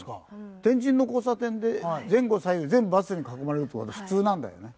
天神の交差点で前後左右全部バスに囲まれるって事は普通なんだよね。